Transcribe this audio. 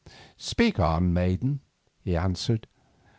"Speak on, maiden," he answered.